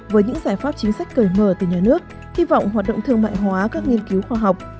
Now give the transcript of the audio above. với những giải pháp chính sách cởi mở từ nhà nước hy vọng hoạt động thương mại hóa các nghiên cứu khoa học